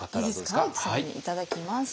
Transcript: いただきます。